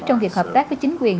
trong việc hợp tác với chính quyền